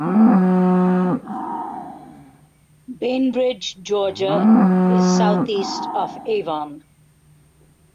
Bainbridge, Georgia, is southeast of Avon.